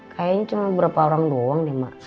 kayaknya cuma berapa orang doang deh emak